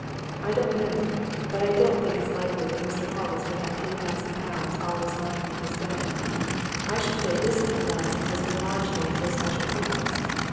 I don't know, but I don't think it's likely that Mr. Hollis would have ten thousand pounds always lying at his bank. I should say this ten thousand has been lodged there for a special purpose.